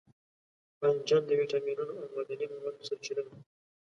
بانجان د ویټامینونو او معدني موادو سرچینه ده.